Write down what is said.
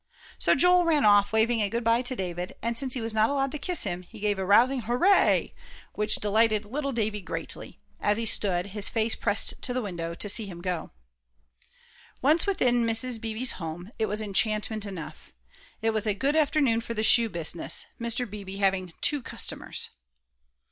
So Joel ran off, waving a good by to David; and since he was not allowed to kiss him, he gave a rousing "Hooray," which delighted little Davie greatly, as he stood, his face pressed to the window, to see him go. Once within Mrs. Beebe's home, it was enchantment enough. It was a good afternoon for the shoe business, Mr. Beebe having two customers.